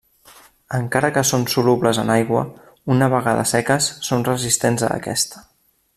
Encara que són solubles en aigua, una vegada seques són resistents a aquesta.